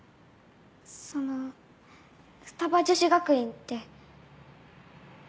その二葉女子学院って。